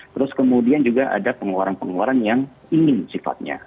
terus kemudian juga ada pengeluaran pengeluaran yang ingin sifatnya